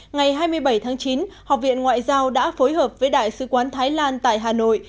ngày hai mươi bảy tháng chín học viện ngoại giao đã phối hợp với đại sứ quán thái lan tại hà nội